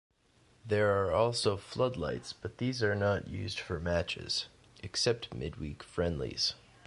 There are also floodlights but these are not used for matches, except midweek friendlies.